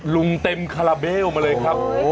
เต็มคาราเบลมาเลยครับ